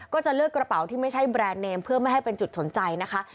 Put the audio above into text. ก็จะเลือกกระเป๋าที่ไม่ใช่แบรนด์เนมเพื่อไม่ให้เป็นจุดสนใจนะคะ